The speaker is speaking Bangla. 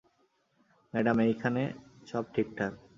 ম্যাডাম, এইখানে সব ঠিকঠাক।